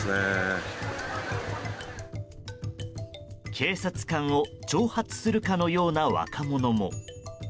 警察官を挑発するかのような若者も。